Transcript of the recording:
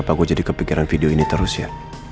apa gue jadi kepikiran video ini terus ya